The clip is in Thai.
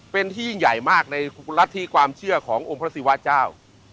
เป็นที่ยิ่งใหญ่มากในรัฐธิความเชื่อขององค์พระศิวาเจ้า